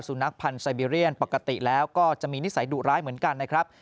สุนัขพันธ์ไซเบีเรียนปกติแล้วก็จะมีนิสัยดุร้ายเหมือนกันนะครับ